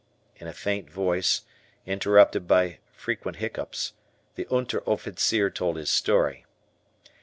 In a faint voice, interrupted by frequent hiccoughs, the Unteroffizier told his story.